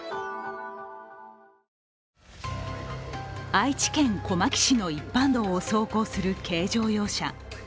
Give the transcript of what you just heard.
愛知県小牧市の一般道を走行する軽乗用車。